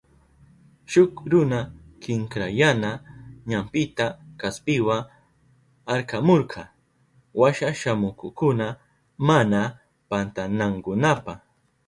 Shuk runa kinkrayana ñampita kaspiwa arkamurka washa shamuhukkuna mana pantanankunapa.